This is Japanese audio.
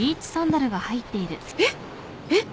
えっえっ！？